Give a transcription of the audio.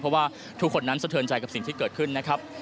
เพราะว่าทุกคนนั้นสะเทินใจกับสิ่งที่เกิดขึ้นนะครับ